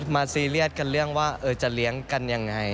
ใช่มาซีเรียสกันเรื่องว่าจะเลี้ยงกันอย่างไร